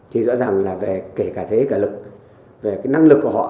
thì rõ ràng là về kể cả thế cả lực về cái năng lực của họ